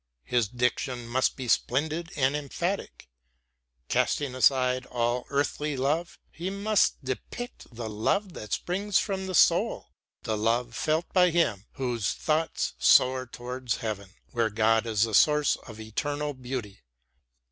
His diction must be splendid and emphatic. Casting aside all earthly love, he must depict the love that springs from the soul, the love felt by him whose thoughts soar towards heaven, where God is the source of eternal beauty.